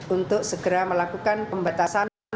untuk segera melakukan pembatasan